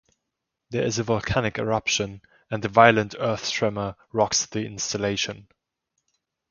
There is a volcanic eruption, and a violent earth tremor rocks the installation.